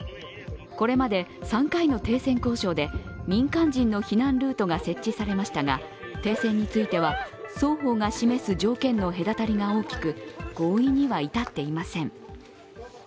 これまで３回の停戦交渉で民間人の避難ルートが設置されましたが停戦については、双方が示す条件の隔たりが大きく合意には至っていません。